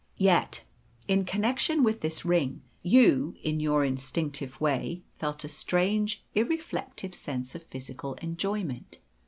Yet, in connection with this ring, you in your instinctive way felt a strange irreflective sense of physical enjoyment.